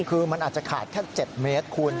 คือมันอาจจะขาดแค่๗เมตรคุณ